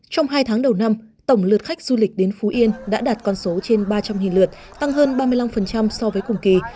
trong hai tháng đầu năm tổng lượt khách du lịch đến phú yên đã đạt con số trên ba trăm linh lượt tăng hơn ba mươi năm so với cùng kỳ